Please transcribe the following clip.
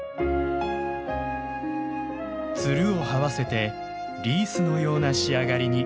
ツルを這わせてリースのような仕上がりに。